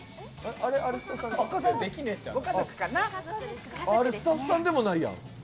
あれ、スタッフさんでもないやん。